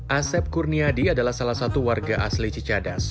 asep kurniadi adalah salah satu warga asli cicadas